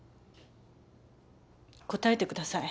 答えてください。